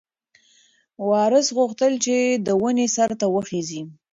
وارث غوښتل چې د ونې سر ته وخیژي.